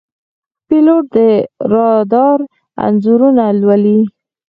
پیلوټ د رادار انځورونه لولي.